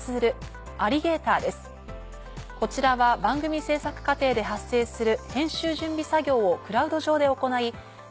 こちらは番組制作過程で発生する。